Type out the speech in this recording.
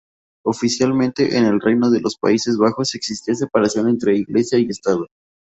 Oficialmente, en el Reino de los Países Bajos existía separación entre Iglesia y Estado.